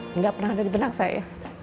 tidak pernah ada di benak saya